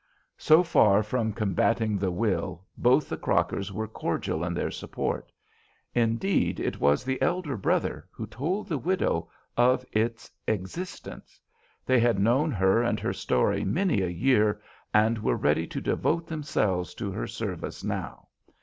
So far from combating the will, both the Crockers were cordial in their support. Indeed, it was the elder brother who told the widow of its existence. They had known her and her story many a year, and were ready to devote themselves to her service now.